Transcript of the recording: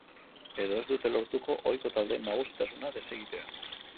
Edo ez dute lortuko ohiko taldeen nagusitasuna desegitea.